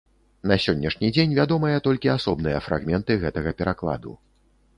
На сённяшні дзень вядомыя толькі асобныя фрагменты гэтага перакладу.